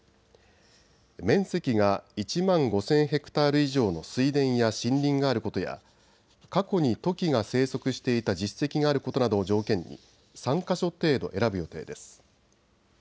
面積が１万５０００ヘクタール以上の水田や森林があることや過去にトキが生息していた実績があることなどを条件に３か所程度選ぶ予定です。